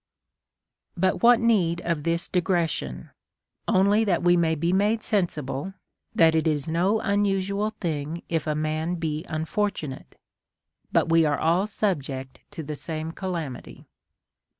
But what need of this digression "? Only that we may be made sensible that it is no unusual thing if a man be unfortunate ; but we are all subject to the same calamity.